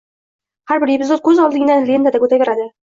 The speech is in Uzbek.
Har bir epizod ko`z oldingdan lentadek o`taveradi